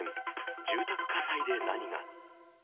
住宅火災で何が？